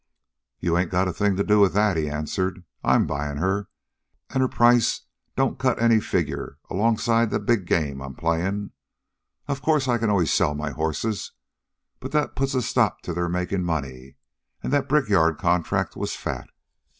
"You ain't got a thing to do with that," he answered. "I 'm buyin' her, an' her price don't cut any figure alongside the big game I 'm playin'. Of course, I can always sell my horses. But that puts a stop to their makin' money, an' that brickyard contract was fat."